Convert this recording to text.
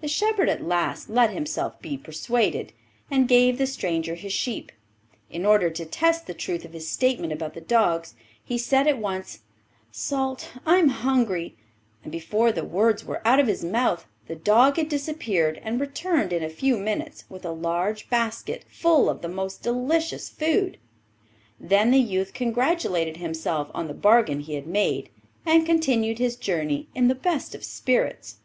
The shepherd at last let himself be persuaded, and gave the stranger his sheep. In order to test the truth of his statement about the dogs, he said at once, 'Salt, I am hungry,' and before the words were out of his mouth the dog had disappeared, and returned in a few minutes with a large basket full of the most delicious food. Then the youth congratulated himself on the bargain he had made, and continued his journey in the best of spirits.